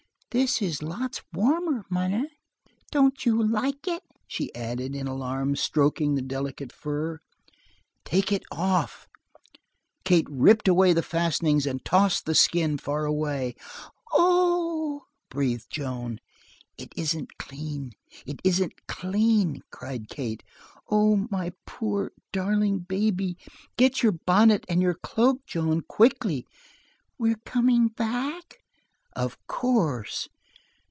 "This is lots warmer, munner." "Don't you like it?" she added in alarm, stroking the delicate fur. "Take it off!" Kate ripped away the fastenings and tossed the skin far away. "Oh!" breathed Joan. "It isn't clean! It isn't clean," cried Kate. "Oh, my poor, darling baby! Get your bonnet and your cloak, Joan, quickly." "We're coming back?" "Of course."